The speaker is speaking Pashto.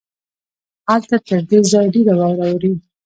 هلته تر دې ځای ډېره واوره اوري.